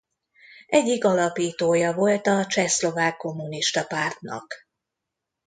Egyik alapítója volt a Csehszlovák Kommunista Pártnak.